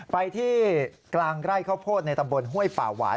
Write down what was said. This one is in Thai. ไปที่กลางไร่ข้าวโพดในตำบลห้วยป่าหวาย